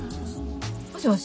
もしもし？